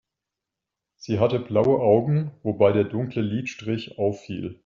Sie hatte blaue Augen, wobei der dunkle Lidstrich auffiel.